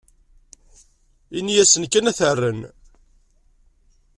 Ini-asen kan ad t-rren.